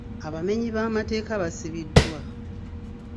Abamenyi b'amateeka basibiddwa.